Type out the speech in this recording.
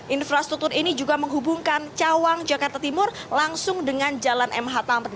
infrastruktur ini juga menghubungkan cawang jakarta timur langsung dengan jalan mh tampet